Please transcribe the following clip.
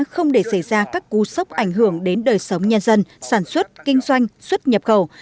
không để xảy ra các cú sốc ảnh hưởng đến đời sống nhân dân sản xuất kinh doanh xuất nhập khẩu